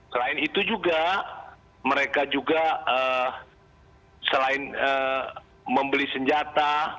selain itu juga mereka juga selain membeli senjata